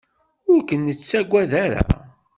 Ur ken-nettaggad ara.